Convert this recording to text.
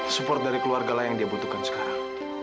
support dari keluarga lah yang dia butuhkan sekarang